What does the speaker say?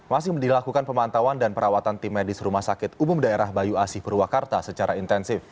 masih dilakukan pemantauan dan perawatan tim medis rumah sakit umum daerah bayu asih purwakarta secara intensif